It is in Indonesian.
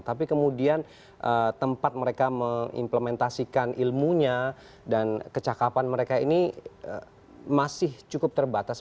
tapi kemudian tempat mereka mengimplementasikan ilmunya dan kecakapan mereka ini masih cukup terbatas